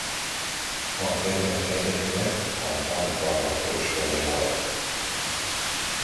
A terület eredetileg a Barngarla-törzs földje volt.